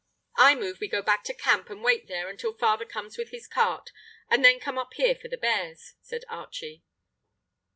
"I move we go back to camp and wait there until father comes with his cart, and then come up here for the bears," said Archie.